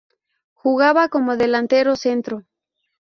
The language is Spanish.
Jugaba como delantero centro.